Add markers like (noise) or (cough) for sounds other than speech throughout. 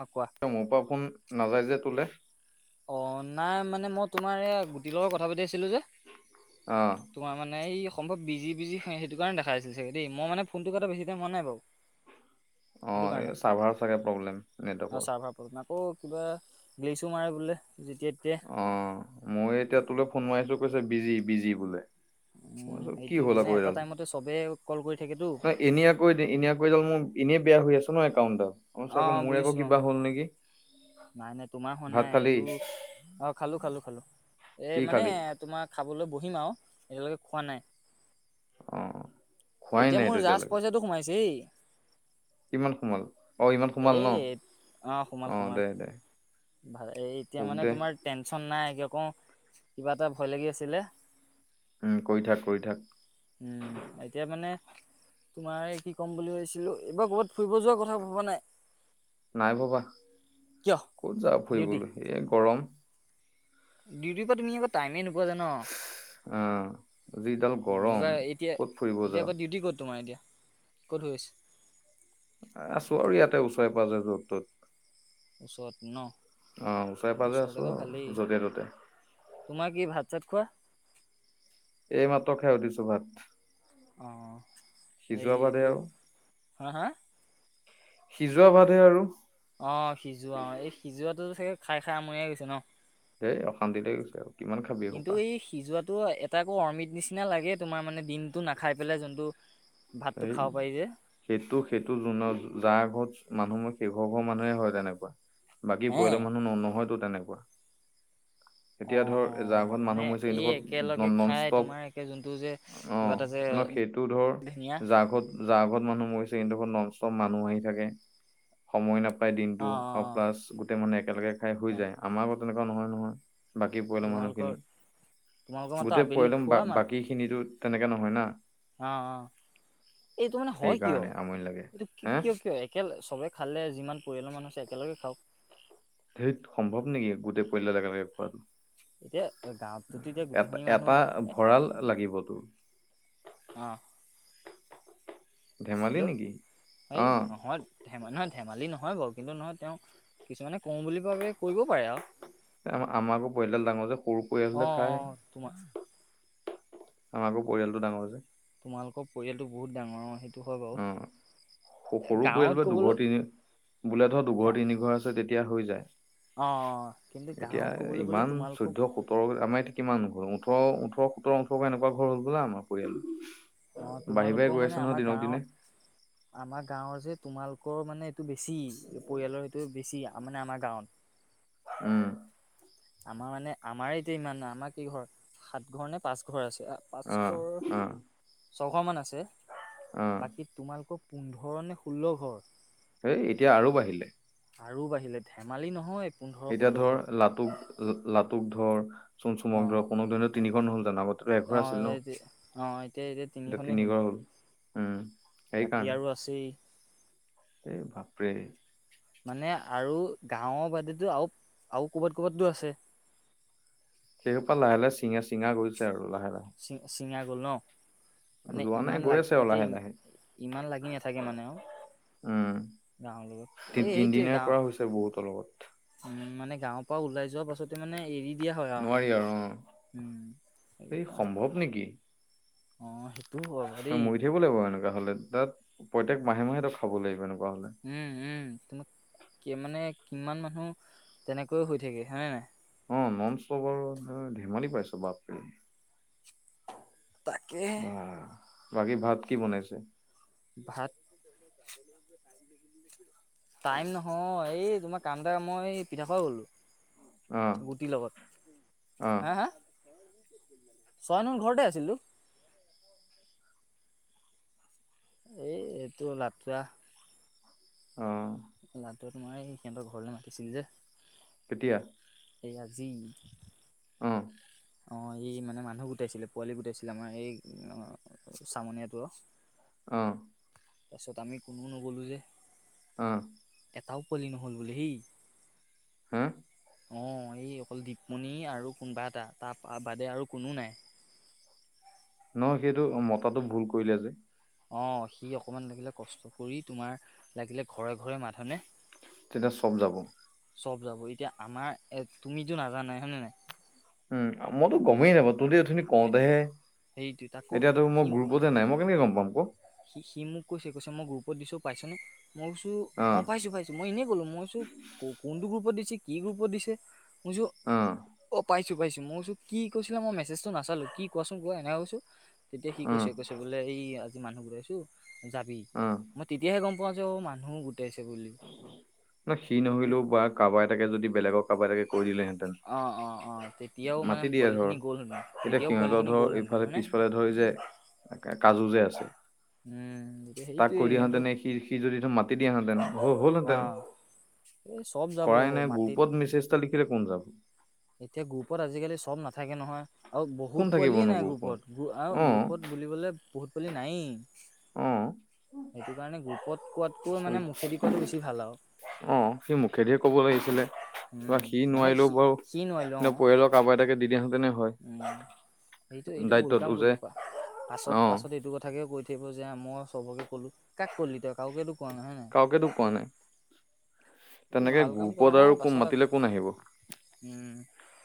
অ কোৱা মোৰ পৰা ফোন নাযায় যে তোলে অহ নাই মানে মই তোমাৰ এইয়া গুটিৰ লগত কথা পাতি আছিলো যে অ তোমাৰ মানে এই সম্ভৱ বিজি বিজি হয় সেইটো কাৰণে দেখা আছিল চাগৈ দেই মই এনে ফোনটো কটা বেছি টাইম হোৱা নাই বাৰু সেইটো অহ কাৰণে এই চাৰ্ভাৰ চাগে প্ৰব্লেম নেটৱৰ্কৰ অহ কিবা গ্লিছো মাৰে বোলে যেতিয়া তেতিয়া অহ ময়ো এতিয়া তোলে ফোন মাৰিছো কৈছে বিজি বিজি বোলে (inaudible) মোৰ চব কি সেইটোৱে হ'ল মানে আকৌ এটা এডাল টাইমতে চবে কল কৰি থাকেতো ন এনেই আকৌ এনে আকৌ এডাল মোৰ এনেই বেয়া হৈ আছে। অ মোৰ আক বুজিছো অ কিবা হল নেকি? নাই - নাই তোমাৰ হোৱা ভাত নাই খালি এইটো অ, খালো - খালো - খালো। কি এই মানে খালি তোমাৰ খাবলৈ বহিম আৰু এতিয়ালৈকে খোৱা নাই। অ খোৱাই এতিয়া নাইতো মোৰ জাষ্ট পইচাটো সোমাইছে। ইমান সোমাল অ, ইমান সোমাল এ ন সোমাল অ, সোমাল দে - দে। ভাল এতিয়া শুক মানে দে তোমাৰ টেনচন নাই। আক কিবা এটা ভয় লাগি আছিলে। উম কৰি থাক কৰি থাক উম, এতিয়া মানে তোমাৰ কি ক'ম বুলি ভাবিছিলো এইবাৰ ক'ৰবাত ফুৰিব যোৱাৰ কথা ভবা নাই। নাই ভবা কিয় কত যাম ডিউটি ফুৰিবলৈ এ গৰম। ডিউটিৰ পৰা তুমি আকৌ টাইমেই নোপোৱা যে ন। আহ যিডাল উম, গৰম এইবাৰ এতিয়া ক'ত ফুৰিব - এতিয়া যাওঁ আকৌ ডিউটি ক'ত তোমাৰ এতিয়া। ক'ত হৈ আছে। আছো আৰু ইয়াতে ওচৰে-পাজৰে য'ত-ত'ত। ওচৰত ন অ, ওচৰে - পাজৰে ওচৰতে বাৰু ভালেই আছো য'তে - ত'তে। তোমাৰ কি ভাত চাত খোৱা? এই মাত্ৰ খাই উঠিছো ভাত। অ, সিজোৱা ভাতহে এইটো আৰু হা-হা? সিজোৱা ভাতহে আৰু। অ, সিজোৱা অ, এই সিজোৱাটো চাগে খাই - খাই আমুৱাই গৈছে ন। সেই অশান্তি লৈ গৈছে আৰু। কিমান খাবি কিন্তু এসোপা এই সিজোৱাটো এ ত, আকৌ অমিত নিচিনা লাগে তোমাৰ মানে দিনটো নাখাই পেলাই যোনটো ভাতটো এই খাব পাৰি যে। সেইটো - সেইটো জো যাৰ ঘৰত মানুহ মোৰ শেষৰ হৰ মানুহে হয় তেনেকুৱা বাকী হে। পৰিয়ালৰ মানুহ ন নহয়তো তেনেকুৱা। (inaudible) এতিয়া ধৰ যাৰ অ' ঘৰত মানে মানুহ মৰিছে সিহতৰ এই ঘৰত একেলগে নন খাই ষ্টপ তোমাৰ একে যোনটো যে অ, কিবা এটা যে ন সেইটো ধৰ ধুনীয়া যাৰ ঘৰত-যা ঘৰত মানুহ মৰিছে কিন্তু ঘৰত নষ্ট মানুহ আহি থাকে সময় নাপায় পায় অ' দিনটো অ' আৰু অ' প্লাছ গোটেই মানুহে একেলগে খাই হৈ অ' যায় আমাৰ আকৌ তেনেকুৱা নহয় নহয় (unintelligible) বাকী পৰিয়াল তোমালোকৰ মানুহখিনি তোমালোকৰ মাত্ৰ গোটেই আবেলি পৰিয়াল বা খোৱা মাত বাকী খিনিতো (unintelligible) তেনেকে নহয় না অ অ এইটো মানে হয় কিয় সেইকাৰণে আমনি লাগে এইটো হে কিয় কিয় একেল চবে খালে যিমান পৰিয়ালৰ মানুহ আছে একেলগে খাওক ধেত সম্ভৱ নেকি গোটেই পৰিয়ালদাল একেলগে খোৱা। এতিয়া গাৱততো এতিয়া এটা গোটেইখিনি মানুহ এটা ভঁৰাল লাগিব তোৰ অহ ', ধেমালি হেল্ল', নেকি হয় অ নহয়। অ, নহয় ধেমালি নহয় বাৰু কিন্তু নহয় তেও কিছুমানে কও বুলি ভাবি কৰিব পাৰে আৰু। আ আমাআকৌ পৰিয়ালদাল ডাঙৰ যে সৰু পৰিয়াল হ'লে অ' খাই অ' তোমাৰ আমাৰ আকৌ পৰিয়ালটো ডাঙৰ যে। তোমালোকৰ পৰিয়ালটো বহুত ডাঙৰ সেইটো হয় অ বাৰু। সৰু গাঁৱত পৰিয়ালবোৰে ক'বলৈ দুঘৰ তিনি বোলে ধৰ দুঘৰ গা তিনি ঘৰ আছে তেতিয়া হৈ অ কিন্তু যায়। গাঁৱত এতিয়া ক'বলৈ গ'লে ইমান তোমালোকো চৈধ্য সোতৰ আমাৰ ইয়াত কিমান ঘৰ ওঠৰ-ওঠৰ সোতৰ ওঠৰ একুৱা ঘৰ হ'ল আমাৰ পৰিয়াল। অ, বাঢ়ি বাঢ়ি তোমালোকেও গৈ মানে আছে নহয় আমাৰ দিনক গাওঁ দিনে আমাৰ গাৱৰ যে তোমালোকৰ মানে এইটো বেছি পৰিয়ালৰ সেটো বেছি। তাৰ মানে আমাৰ গাঁৱত আহ আমাৰ মানে আমাৰে এতিয়া ইমান নাই আমাৰ কি ঘৰ সাত ঘৰ নে পাঁচ ঘৰ আছে অ পাঁচঘৰ অ (unintelligible) ছঘৰ মান আছে অ বাকী তোমালোকৰ পোন্ধৰ নে ষোল্ল ঘৰ হেই এতিয়া আৰু বাঢ়িলে আৰু বাঢ়িলে ধেমালি নহয় পোন্ধৰ এতিয়া ষোল্ল ধৰ ঘৰ লাটুক লাটুক ধৰ চোন অ চুমক দ কুক দো অ তিনিঘৰ নহ'ল জানো আগতেতো এঘৰ অ আছিল ন এতিয়া এতিয়া তিনি ঘৰ হয় হ'ল (unintelligible) উম বাকী সেইকাৰণে আৰু আছেই এই ভাপৰে (unintelligible) মানে আৰু গাঁওৰ বাদেতো আৰু আৰু ক'বাত ক'বাতো আছে (unintelligible) সেইহোপা লাহে লাহে চিঙা চিঙা গৈছে আৰু লাহে (unintelligible) চি ছিঙা গ'ল ন মানে যোৱা নাই ইমান গৈ লাগি আছে আৰু এতিয়া লাহে লাহে ইমান লাগি নাথাকে মানে আৰু উম গাঁওৰ লগত এই সেইটোৱে তিনদিনীয়া গাও কৰা হৈছে বহুতৰ লগত উম মানে গাঁৱৰ পৰা ওলাই যোৱা পাছতে মানে এৰি দিয়া হয় আৰু নোৱাৰি অ উম এইটো এই সম্ভৱ নেকি অ সেইটো ত মৰি থাকিব লাগিব এনেকুৱা হ'লে তাত প্ৰত্যেক মাহে মাহেতো খাব লাগিব এনেকুৱা (unintelligible) উম উম কি মানে কিমান মানুহ তেনেকৈ হৈ থাকে হয়নে নাই (unintelligible) অ নম চ বাৰু ধেমালি পাইছ বাপ (unintelligible) তাকে আহ বাকী ভাত কি বনাইছে ভাত টাইম নহয় এই তোমাৰ কামদাৰ মই পিঠা পু গ'লো অ (unintelligible) (unintelligible) গুটিৰ লগত অ হা হা ছয় (unintelligible) ম ঘৰতে আছিলো এই এইটো নাটুৱৰা অ লা তোমাৰ এই সিহঁতৰ ঘৰলে মাতিছিল যে কেতিয়া এই আজি অ অ ই মানে মানুহ গোটাইছিলে পোৱালি গোটাইছিলে আমাৰ এই চামনীয়াটোৰ। আহ তাৰপিছত আমি কোনো নগ'লোঁ যে। আহ এটাও পোৱালি নহ'ল বোলে সেই। হা অ এই অকল দীপমণি আৰু কোনোবা এটা তাৰ বাদে আৰু কোনো নাই। (unintelligible) (inaudible) নহ সেইটো মতাটো ভুল কৰিলে যে। অ সি অকমান লাগিলে কষ্ট কৰি তোমাৰ লাগিলে ঘৰে ঘৰে মাধনে। তেতিয়া চব যাব (unintelligible) চব যাব এতিয়া আমাৰ এ তুমিতো নাজানাই হয়নে নে নাই। উম মইতো ত' গমেই নাপাওঁ তোহোতে উথনি কওঁতেহে। সেইটো তাকো এতিয়াতো মই সি গ্ৰৰুপতে নাই মই কেনেকে গম পাম। ক সি সি মোক কৈছে কৈছে মই গ্ৰুপত দিছো পাইছনে। মই কৈছো অ পাইছো পাইছো মই এনেই ক'লো মইছো কোনটো গ্ৰুপত দিছে কি গ্ৰুপত দিছে ব অ অ পাই পাইছো মই কো কি কৈছিলে মই মেছেজটো নাচালো কি কোৱা চোন কোৱা এনেকা কৈছো তেতিয়া সি অ কৈছে কৈছে বোলে এই আজি মানুহ ঘুটাইছো যাবি অ মই তেতিয়াহে গম পাওঁ পোৱা যাও মানুহ। ন সি নহৰিলেও বা কাৰোবাৰ এতাকে যদি বেলেগক কাব এতাকে কৈ দিলেহেঁতেন অ অ অ তেতিয়াও মানে মাতি দিয়ে ধৰ পোৱালিখিনি গ'ল হেঁতেন এতিয়া তেতিয়াও সিহঁতৰ পোৱালিখিনি ধৰ গ'ল হেঁতেন ইফালে হয়নে পিছফালে ধৰি যে কাজু যে আছে উম তেতিয়া তাক সেইটোৱে কৈ সিহঁতৰ দিয়াহেঁতেনে সি সি যদিটো মাতি দিয়াহেতেন। অ হ'লহেঁতেন এই চব যাব কৰাই নাই মাতি গ্ৰুপত মেছেজটা লিখিলে কোন যাব এতিয়া গ্ৰুপত আজিকালি চব নাথাকে নহয় আৰু কোন বহুত পোৱালিয়ে থাকিবনো নাই গ্ৰুপত গ আৰু অ গ্ৰুপত বুলিবলৈ বহুত পোৱালি নায়েই অ সেইটো কাৰণে গ্ৰুপত কোৱাতকৈ মানে মুখেদি কোৱাটো বেছি ভাল আৰু অ সি মুখেধিয়ে ক'ব লাগিছিলে ত উম সি মানে নোৱাৰিলেও সি বাৰু কিন্ত পৰিয়ালৰ কাৰোবাৰ এতাকে দি দিয়া (unintelligible) এইটো এইটো ভুল কাম দায়িত্বটো যে কৰিলে প পাছত অ পাছত এইটো কথাকে কৈ থাকিব যে মমই চবকে কলো কাক কলি তই কাওকে কওকতো কোৱা নাই। এইটো তেনেকে ভাল কাম কৰা গ্ৰুপত নাই আৰু কোন পাছত আকৌ মাতিলে কোন আহিব। উম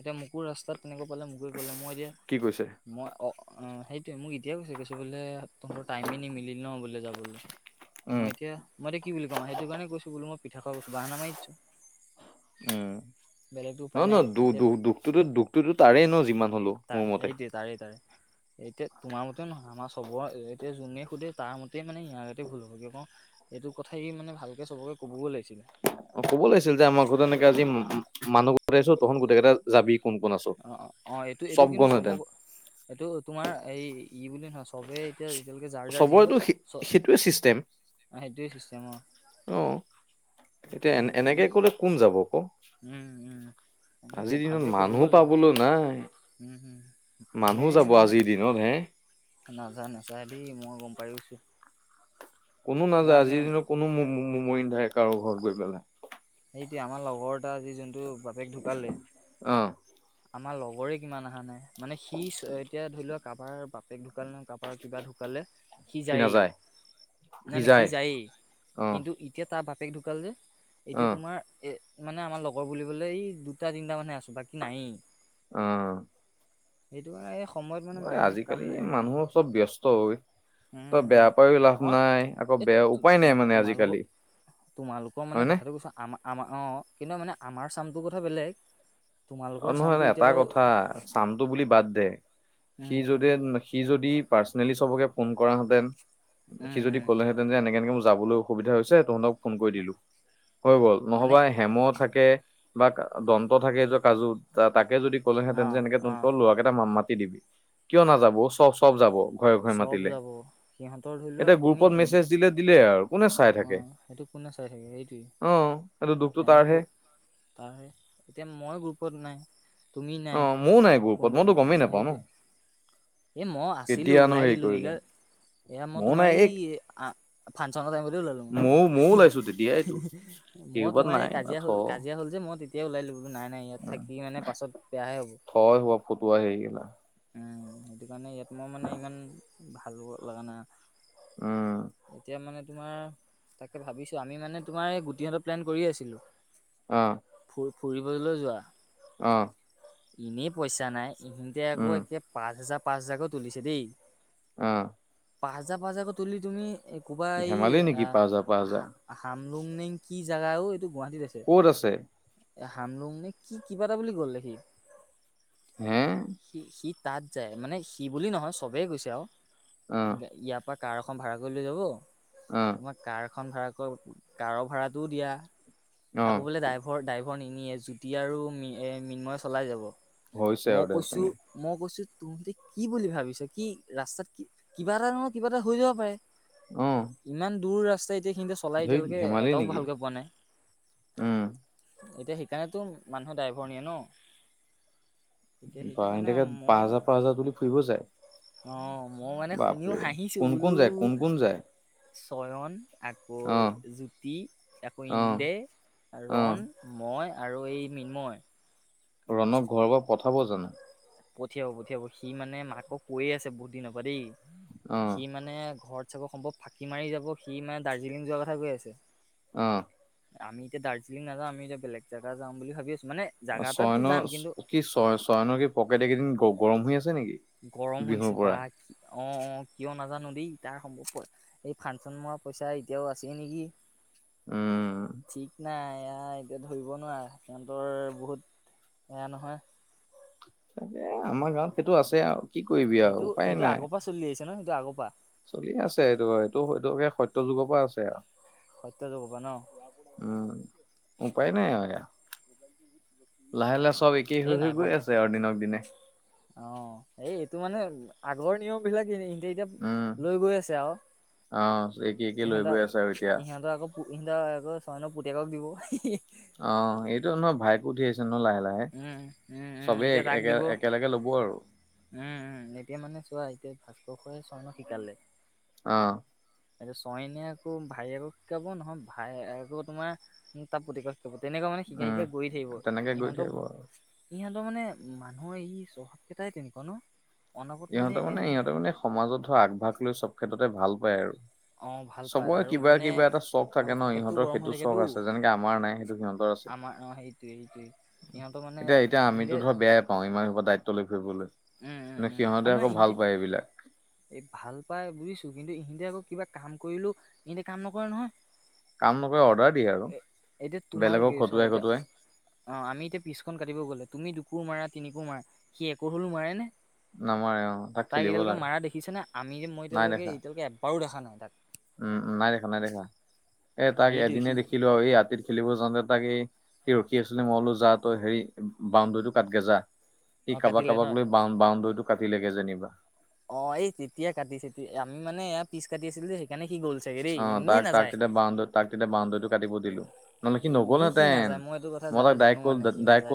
এতিয়া মোকো ৰাস্তাত তেনেকা পালে মোকে গ'লে মই এতিয়া কি কৈছে মই অ সেই মোক এতিয়াই কৈছে কৈছে বোলে তহঁতৰ টাইমে নি মিল ন বোলে যাবলে উম মই এতিয়া মই কি বুলি কম সেইটো কাৰণে কৈছো বোলো মই পিঠা খ কৈছো বাহানা মাৰি দিছো। উম বেলেগতো ন উপায় ন নাই দু এতিয়া দুখ দুখটোতো দুখটোতো তাৰেই ন যিমান হলেও। মোৰ তাৰে মতে এইটোৱ তাৰেই তাৰে। এতিয়া তোমাৰ মতেও নহয় আমাৰ চবৰ এতিয়া যোনে সোধে তাৰ মতে মানে ইয়াৰ আগতে ভুল হ'ব কিয় কওঁ এই এইটো কথা স মানে ভালকে চবকে কবগে লাগিব। ক'ব লাগিছিল যে আমাৰ ঘৰত এনেকে আজি মানুহ গোটাইছোঁ। তহত গোটেই কেইটা যাবি। কোন কোন আছ অ অ অ এইটো এইটো কিন্তু চব এইটো তোমাৰ এই ই বুলি নহয়। চবেই এতিয়া এতিয়ালৈকে জাৰ ৰ্জাৰ যি হয় চবৰেতো চ সেইটোৱে চিষ্টেম সেইটোৱে চিষ্টেম অ অ এতিয়া এ সিহঁতি এনেকে ই কলে কোন যাব ক উম উম এনেকে আজিৰ দিনত ভালকে মানুহ ক'বগৈ লাগিব পাবলৈ নাই উম হম মানুহ যাব আজিৰ দিনত হে নাযায় নাযায় দেই মই গম পাই গৈছো কোনো তোমাৰ নাযায় আজি আজিৰ দিনত কোনো মৰি নাথাকে কাৰো ঘৰত গৈ পেলাই সেইটোৱে আমাৰ লগৰ এটা আজি যোনটো বাপেক ঢুকালে অ আমাৰ লগৰে কিমান অহা নাই মানে সি এতিয়া ধৰি লোৱা কাৰোবাৰ বাপেক ঢো ঢুকালে নহয় কাপাৰ কিবা ঢুকালে সি জায়েই নাই নাই সি যায়েই অ কিন্তু এতিয়া তাৰ বাপেক ঢুকাল যে অ এতিয়া তোমাৰ এ মানে আমাৰ লগৰ বুলিবলৈ এই দুটা তিনিটা মানহে আছোঁ বাকী নায়েই আহ সেইটো সময়ত মানে মানুহ কাম আজিকালি নাহে আৰু মানুহ চব ব্যস্ত হয় তই উম বেয়া পায়ো লাভ নহয় নাই আকৌ এই বেয়া তো- উপায় নাই তো- মানে তোমালোকৰ আজিকালি তোমালোকৰ মানে হয়নে কথাটো কৈছো আম আমাৰ অ কিন্তু মানে আমাৰ চামটোৰ কথা বেলেগ অ তোমালোকৰ নহয় চামটো নহয় এতিয়া এটা বাৰু কথা চামটো বুলি বাদ দে সি উম যদি সি যদি পাৰ সবকে ফোন কৰাহেতেন সি উম যদি উম ক'লেহেঁতেন যে এনেক এনেকে ম যাবলৈ অসুবিধা হৈছে তহঁতক ফোন কৰি দিলো হৈ গল মানে নহবা হেম থাকে বা দন্ত থাকে য কাজু তাকে যদি কলেহেঁতেন যে অ', এনেকে ত অ'। তোৰ ল'ৰাকেইটা মাম মা দিবি কিয় নাযাব চব চব যাব ঘৰে ঘৰে চব মাতিলে যাব সিহঁতৰ ধৰি লোৱা এতিয়া তুমি গ্ৰুপত মেছেজ দিলে দিলে আৰু কোনে চাই অ থাকে সেইটো কোনে চাই থাকে সেইটোৱে অ এইটো দুখটো তাৰহে তেনেকৈ তাৰ এতিয়া মই গ্ৰুপত নাই তুমি অ নাই ময়ো নাই গ্ৰোপত মইতো গমেই নাপাওঁ ন এ মই আছিলো কেতিয়ানো ওলাই হেৰি দিলো কৰিলে এইকাৰ এয়া মই ময়ো তোমাৰ নাই এই ফাংচনৰ টাইমতে ওলালো মই ময়ো ময়ো ওলাইছো তেতিয়াইতো মই কেইবাত তোমাৰ সেই নাই কাজিয়া থ হল কাজিয়া হ'ল যে মই তেতিয়াই ওলাই দিলো নাই নাই ইয়াত থাকি মানে পাছত বেয়াহে হ'ব থয় হোৱা ফটোৱা হেৰি গেলা উম সেইটো কাৰণে ইয়াত মই মানে ইমান ভাল লগা উম নাই এতিয়া মানে তোমাৰ তাকে ভাবিছো আমি মানে তোমাৰ এই গোটিহতৰ প্লেন কৰিয়ে আছিলো অহ ফু ফুৰিবলৈ যোৱা অহ এনেই পইচা নাই ইখিতে আকৌ একে পাঁচ হাজাৰ পাঁচ হাজাৰকৈ তুলিছে দেই অহ পাঁচহাজাৰ পাঁচহাজাৰকৈ তুলি তুমি কোবা এই ধেমালি এই নেকি পাঁচ হাজাৰ পাঁচ আহ হাজাৰ আহাম লুংনিং কি জোগা অ এইটো গুৱাহাটীত আছে এ হামলুং নে কি কিবা এটা বুলি কলে সি হে সি তাত যায় মানে সি বুলি নহয় চবেই গৈছে আৰু অ ইয়াৰ পৰা কাৰখন ভাড়া কৰি লৈ যাব অ তোমাৰ কাৰখন ভাড়া কৰি কাৰৰ ভাড়াটোও দিয়া অ আকৌ বোলে ড্ৰাইভৰ ড্ৰাইভৰ নিনিয়ে যুতি আৰু মৃন্ময়ে চলাই যাব হৈছে মই আৰু দে কৈছো তেনে মই কৈছো তোহতে কি বুলি ভাবিছ কি ৰাস্তাত কিবা এটা নহয় কিবা এটা হৈ যাব পাৰে অ ইমান দূৰ ৰাস্তা এতিয়া কিন্তু চলাই ধেইত এতিয়ালৈকে ধেমালি এটাও নেকি ভালকে পোৱা নাই উম এতিয়া সেইকাৰণেতো মানুহৰ ড্ৰাইভৰ নিয়ে ন এতিয়া সেইটো কাৰণে মই পাঁচহাজাৰ তুলি ফুৰিব যায় অ মই মানে শুনিও বাপৰে হাঁহিছো কোন কোন বোলো যায় কোন কোন যায় চয়ন আকৌ অ জুতি আকৌ অ ইণ্ডে অ ৰণ মই আৰু এই মৃন্ময় ৰণক ঘৰৰ পৰা পঠাব জানো পঠিয়াব পঠিয়াব সি মানে মাকক কৈয়ে আছে বহুত দিনৰ পৰা দেই অ', সি মানে ঘৰত চাব সম্ভৱ ফাঁকি মাৰি যাব সি মানে দাৰ্জিলিং যোৱাৰ কথা কৈ আছে আহ আমি এতিয়া দাৰ্জিলিং নাযাওঁ আমি এতিয়া বেলেগে জেগা যাম ভাবি আছোঁ অ চয়নৰ কি চয় চয়নৰ কি পকেট কেইদিন গৰম হৈ আছে নেকি? গৰম বিহুৰ হৈছে বা পৰা অ-অ কিয় নাজানো দেই তাৰ সম্ভৱ এই ফাংচনৰ পইচা এতিয়াও আছে নেকি উম, ঠিক নাই এয়া এতিয়া ধৰিব নোৱাৰে সিহঁতৰ বহুত এয়া নহয় তাকে আমাৰ গাঁৱত সেইটো আছে আৰু কি কৰিবি আৰু উপায় নাই যে আগৰ পা চলি আছে এইটো এইটো সেইটো সত্য যুগৰ পৰা আছে আও সত্য যুগৰ পৰা ন উম উপায় নাই আৰু এয়া লাহে-লাহে চব একেই এই হৈ হৈ নাই পোৱা গৈ আছে আৰু দিনক দিনে অ এই এইটো মানে আগৰ নিয়ম বিলাক এনে এতিয়া এতিয়া উম, লৈ গৈ আছে আৰু অ', একে একে লৈ গৈ ইহেঁতক আছে আৰু এতিয়া সিহঁতৰ আকৌ পোহিন দা আকৌ ছইনৰ পুতেকক দিব অ এইটো নহয় ভাইকো উঠি আহিছে ন লাহে লাহে ন উম চবেই এক একেলগে ল'ব আৰু উম-উম এতিয়া মানে চোৱা এতিয়া ভাস্কৰ খৰে স্বৰ্ণক শিকালে আহ এইটো ছয়নীয়ে আকৌ ভাইয়েক আকৌ শিকাব নহয় ভাইয়েকে আকৌ তোমাৰ তাপতি কয় তেনেকুৱা মানে শিকাই উম, শিকাই গৈ থাকিব তেনেকে গৈ থাকিব সিহঁতক আৰু। ইহঁতৰ মানে মানুহৰ এই চ্বহাৱকেইটাই তেনেকুৱা ন অনাগত ইহঁতৰ এ মানে ইহঁতে উম, মানে সমাজত আগভাগ লৈছ সেইটো ক্ষেত্ৰতে ভাল পায় আৰু অ ভাল পায় চবৰে আৰু কিবা মানে কিবা এটা চখ থাকে আকৌ ন পকেটটো ইহঁতৰ গৰম হৈ সেইটো থাকেতো চখ আছে যেনেকে আমাৰ নাই সেইটো সিহঁতৰ আমাৰ অ সেইটোৱেই-সেইটোৱেই এতিয়া-এতিয়া আমিতো ধৰ বেয়াই পাও ইমান সোপা দায়িত্ব লৈ ফুৰিবলৈ কিন্তু উম-উম-উম সিহঁতে আৰু আকৌ নহয় ভাল পায় এইবিলাক ইহতে ভাল পাই বুজিছো কিন্তু সিহঁতে আকৌ কিবা কাম কৰিলেও এনেতে কাম নকৰে নহয় কাম নকৰে অৰ্ডাৰ দিয়ে আৰু এ- এতিয়া তোমালোকে বেলেগক চোৱা খটুৱাই এতিয়া খটুৱাই অ আমি এতিয়া পিছখন কাটিব গ'লে তুমি দুকোৰ মাৰা তিনিকোৰ মাৰা সি একোৰ হলেও মাৰে নে নামাৰে অ তাক তাক খেলিব এতিয়ালৈকে লাগে মাৰা দেখিছে নে আমি যে মই নাই এতিয়ালৈকে দেখা। এতিয়ালৈকে এবাৰো দেখা নাই তাক উম নাই দেখা নাই দেখা এই তাক হেৰিটো এদনে সি দেখিলো আৰু এই হাতীত খেলিব যাওঁতে তাক এই সি ৰখি আছিলে মই কলো যা তই হেৰি বাউণ্ডৰীটো কাটগে যা সি অ', কাটিলে ন কাৰোবাক-কাৰোবাক লৈ বা বাউণ্ডৰীটো কাটি লাগে যেনিবা অ এই তেতিয়া কাটিছে আমি মানে এ পিছ কাটি আছিলো যে সেইকাৰণে কি গ'ল চাগে দেই অ এনেই তাক-তাক নাযায়। তেতিয়া বাউণ্ডৰী তাক তেতিয়া বাউণ্ডৰীটো কাটিব দিলো নহ'লে সি এনেই সি নগ'লহেতেন নাযায় মই এইটো কথা মই জানো তাক কলো মানে সি ডাইৰেক্ট নাযায়। কলো